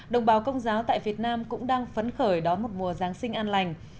đồng bào công giáo tại việt nam cũng đang phấn khởi đón một mùa giáng sinh an lành